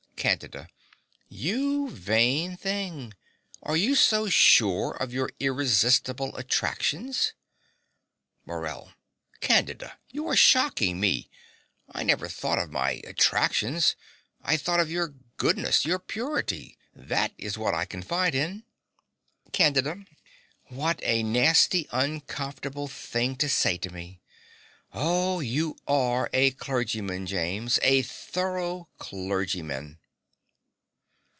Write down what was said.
CANDIDA. You vain thing! Are you so sure of your irresistible attractions? MORELL. Candida: you are shocking me. I never thought of my attractions. I thought of your goodness your purity. That is what I confide in. CANDIDA. What a nasty, uncomfortable thing to say to me! Oh, you ARE a clergyman, James a thorough clergyman.